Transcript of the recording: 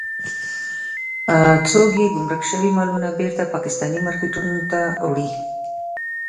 څوک يې ګمرک شوي مالونه بېرته پاکستاني مارکېټونو ته وړي.